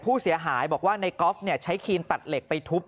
ผู้เสียหายบอกว่าในกอล์ฟใช้ครีนตัดเหล็กไปทุบ